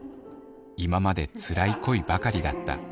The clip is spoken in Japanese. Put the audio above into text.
今までつらい恋ばかりだった。